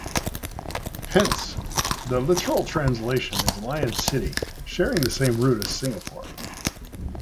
Hence the literal translation is "lion city", sharing the same root as Singapore.